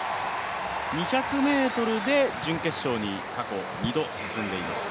２００ｍで準決勝に過去２度進んでいます。